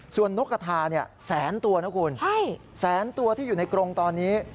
ส่วนนกกระทาแสนตัวนะคุณแสนตัวที่อยู่ในกรงตอนนี้